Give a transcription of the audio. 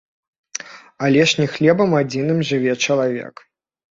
Але ж не хлебам адзіным жыве чалавек.